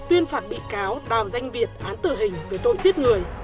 tuyên phạt bị cáo đào danh việt án tử hình về tội giết người